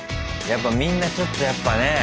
やっぱみんなちょっとやっぱね